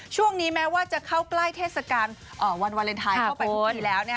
ช่วงนี้แม้ว่าจะเข้าใกล้เทศกาลวันวาเลนไทยเข้าไปทุกทีแล้ว